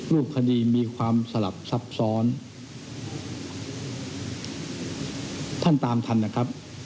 รูปคดีมีความสลับซับซ้อนท่านตามทันนะครับ